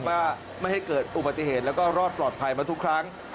ว่าไม่ให้เกิดอุบัติเหตุแล้วก็รอดปลอดภัยมาทุกครั้ง